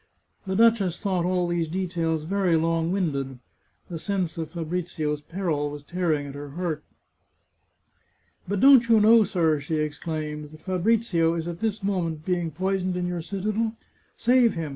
The duchess thought all these details very long winded. The sense of Fabrizio's peril was tearing at her heart. " But don't you know, sir," she exclaimed, " that Fabrizio is at this moment being poisoned in your citadel. Save him